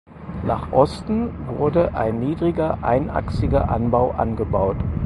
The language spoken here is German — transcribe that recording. Nach Osten wurde ein niedriger einachsiger Anbau angebaut.